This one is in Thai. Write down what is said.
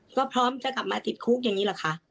ก็พร้อมจะกลับมาติดคุกอย่างนี้หรอคะ